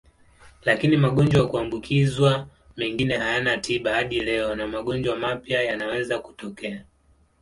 Lakini magonjwa ya kuambukizwa mengine hayana tiba hadi leo na magonjwa mapya yanaweza kutokea.